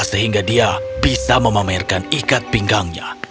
sehingga dia bisa memamerkan ikat pinggangnya